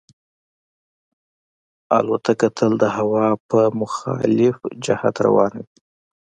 الوتکه تل د هوا په مخالف جهت روانه وي.